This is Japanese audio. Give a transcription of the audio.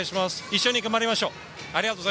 一緒に頑張りましょう。